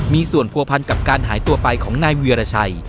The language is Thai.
มีส่วนผัวพันกับการหายตัวไปของนายเวียรชัย